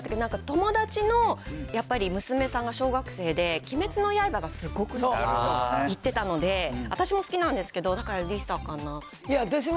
どこか忘れちゃったけど友達のやっぱり、娘さんが小学生で、鬼滅の刃がすごく好きだって言ってたので、私も好きなんですけど、だからＬｉＳＡかな。